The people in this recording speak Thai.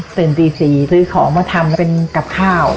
ตื่นตี๔ซื้อของมาทำเป็นกับข้าว